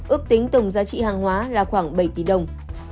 ước tính tổng giá trị hàng hóa là khoảng bảy tỷ đồng